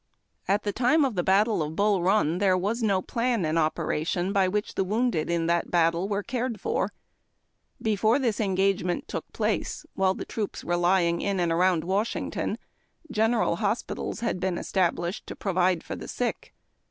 At the time of the battle of Bull Run there was no plan in operation by which the wounded in thot battle were cared for. Before this engagement took place, while the troops were lying in and around Washington, general hospitals had been established to provide for the sick.